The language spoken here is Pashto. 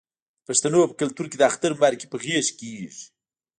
د پښتنو په کلتور کې د اختر مبارکي په غیږ کیږي.